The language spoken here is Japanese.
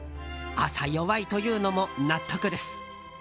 朝弱いというのも納得です。